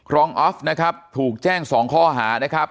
ออฟนะครับถูกแจ้ง๒ข้อหานะครับ